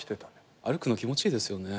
歩くの気持ちいいですよね。